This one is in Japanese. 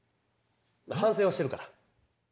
反省はしてるから。